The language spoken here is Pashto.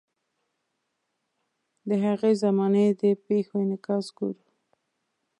د هغې زمانې د پیښو انعکاس ګورو.